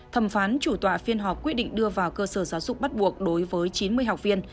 thẩm phán chủ tọa phiên họp quyết định đưa vào cơ sở giáo dục bắt buộc đối với chín mươi học viên